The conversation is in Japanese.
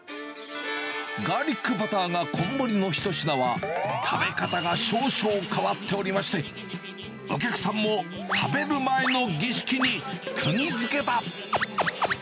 ガーリックバターがこんもりの一品は、食べ方が少々変わっておりまして、お客さんも食べる前の儀式にくぎづけだ。